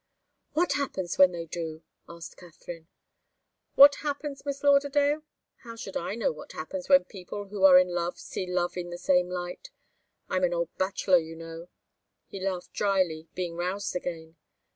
"What happens when they do?" asked Katharine. "What happens, Miss Lauderdale? How should I know what happens when people who are in love see love in the same light? I'm an old bachelor, you know." He laughed drily, being roused again.